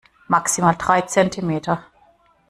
Maximal drei Zentimeter.